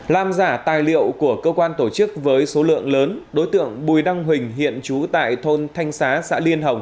làm giả tài liệu của cơ quan tổ chức với số lượng lớn đối tượng bùi đăng huỳnh hiện trú tại thôn thanh xá xã liên hồng